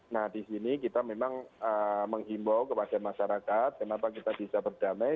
nah di sini kita memang menghimbau kepada masyarakat kenapa kita bisa berdamai